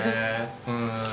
うん。